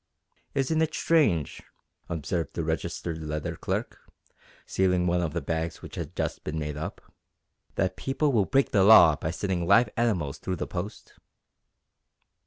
"Isn't it strange," observed the registered letter clerk, sealing one of the bags which had just been made up, "that people will break the law by sending live animals through the post?"